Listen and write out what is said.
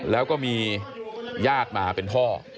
แล้วก็มีญาติมาเป็นพ่อ